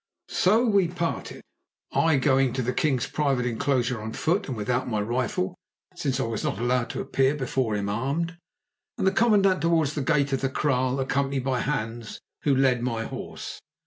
So we parted, I going to the king's private enclosure on foot and without my rifle, since I was not allowed to appear before him armed, and the commandant towards the gate of the kraal accompanied by Hans, who led my horse.